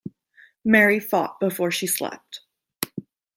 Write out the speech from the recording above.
Mary fought before she slept.